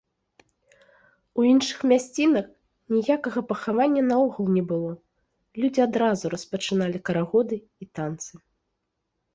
У іншых мясцінах ніякага пахавання наогул не было, людзі адразу распачыналі карагоды і танцы.